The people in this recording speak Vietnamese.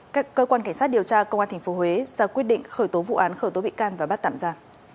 các cơ quan cảnh sát điều tra công an tp huế ra quyết định khởi tố vụ án khởi tố bị can và bắt tạm ra